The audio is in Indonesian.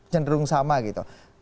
cenderung sama gitu